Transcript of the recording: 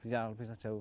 bisa lebih jauh